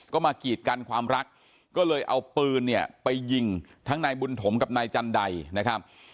ก็มากีดกันความรักก็เลยเอาปืนเนี่ยไปยิงทั้งนายบุญถมกับนายจันไดนะครับ